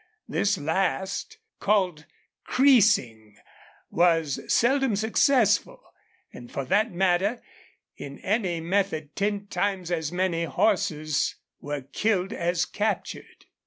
This last, called creasing, was seldom successful, and for that matter in any method ten times as many horses were killed as captured.